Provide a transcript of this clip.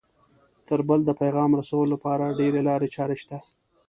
تر بل د پیغام رسولو لپاره ډېرې لارې چارې شته